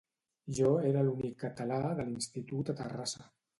Jo era l'únic català de l'institut a Terrassa